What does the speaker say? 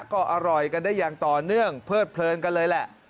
ก็อร่อยกันได้อย่างต่อเนื่องเพิดเพลินกันเลยแหละ